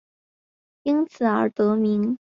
因此而得名。